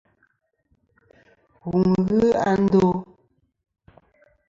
Wù n-ghɨ a ndo.